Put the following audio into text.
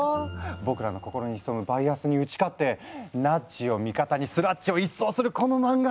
僕らの心に潜むバイアスに打ち勝ってナッジを味方にスラッジを一掃するこの漫画！